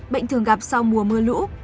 bệnh thường gặp sau mùa mưa lũ